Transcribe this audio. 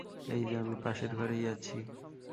এই-যে, আমি পাশের ঘরেই আছি।